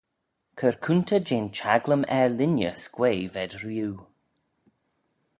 Cur coontey jeh'n çhaglym er-linney s'quaaee v'ayd rieau.